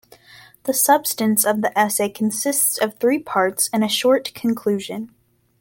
The substance of the essay consists of three parts and a short conclusion.